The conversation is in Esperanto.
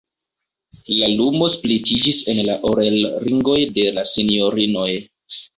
La lumo splitiĝis en la orelringoj de la sinjorinoj.